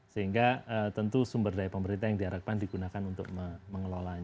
sehingga tentu sumber daya pemerintah yang diharapkan digunakan untuk mengelolanya